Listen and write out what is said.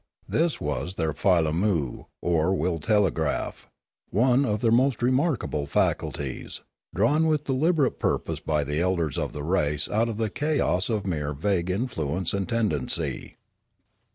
This was their filammu or will telegraph, one of their most remarkable faculties, drawn with deliberate purpose by the elders of the race out of the chaos of mere vague influence and tendency.